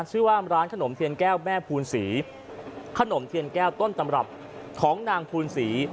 ชื่อว่าร้านขนมเทียนแก้วแม่ภูนศรีขนมเทียนแก้วต้นตำรับของนางภูนศรี